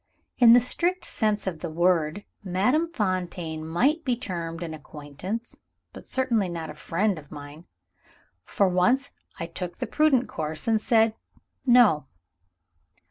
In the strict sense of the word, Madame Fontaine might be termed an acquaintance, but certainly not a friend, of mine. For once, I took the prudent course, and said, No.